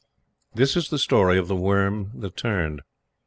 This is the story of the worm that turned.